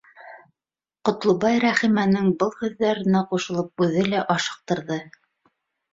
Ҡотлобай Рәхимәнең был һүҙҙәренә ҡушылып, үҙе лә ашыҡтырҙы.